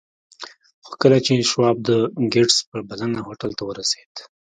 خو کله چې شواب د ګیټس په بلنه هوټل ته ورسېد